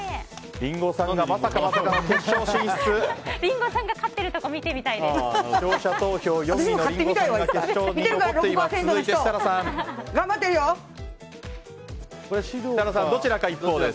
リンゴさんが勝ってるところ見てみたいです。